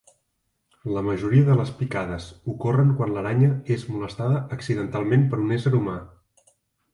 La majoria de les picades ocorren quan l'aranya és molestada accidentalment per un ésser humà.